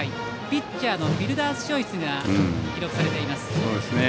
ピッチャーのフィルダースチョイスが記録されています。